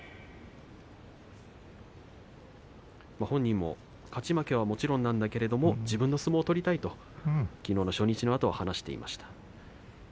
本人も勝ち負けはもちろんなんだけれど自分の相撲を取りたいときのうの初日のあと話していました。